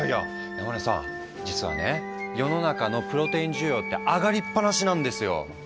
山根さん実はね世の中のプロテイン需要って上がりっぱなしなんですよ。